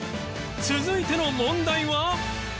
続いての問題は